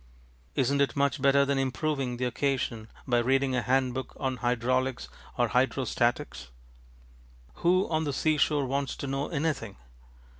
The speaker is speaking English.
IsnŌĆÖt it much better than improving the occasion by reading a hand book on hydraulics or hydrostatics? Who on the seashore wants to know anything?